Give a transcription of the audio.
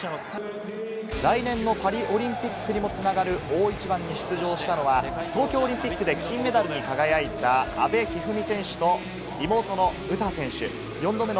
来年のパリオリンピックにもつながる大一番に出場したのは東京オリンピックで金メダルに輝いた阿部一二三選手と妹の詩選手。